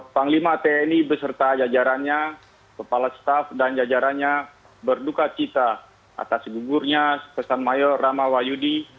panglima tni beserta jajarannya kepala staff dan jajarannya berduka cita atas gugurnya pesan mayor ramawayudi